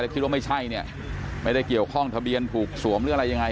คิดว่าไม่ใช่เนี่ยไม่ได้เกี่ยวข้องทะเบียนถูกสวมหรืออะไรยังไง